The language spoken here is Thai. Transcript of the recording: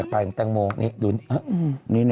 สำหรับที่นี่ค่ะ